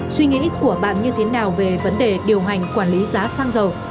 suy nghĩ của bạn như thế nào về vấn đề điều hành quản lý giá xăng dầu